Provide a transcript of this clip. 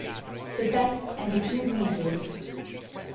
THE BAT AND THE TWO WEASELS.